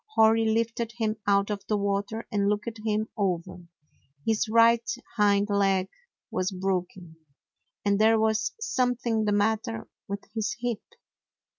Hori lifted him out of the water and looked him over. His right hind leg was broken, and there was something the matter with his hip.